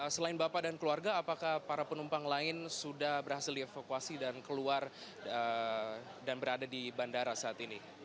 selain bapak dan keluarga apakah para penumpang lain sudah berhasil dievakuasi dan keluar dan berada di bandara saat ini